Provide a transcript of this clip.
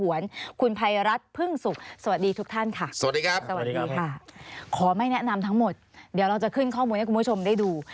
สวัสดีค่ะขอไม่แนะนำทั้งหมดเดี๋ยวเราจะขึ้นข้อมูลให้คุณผู้ชมได้ดู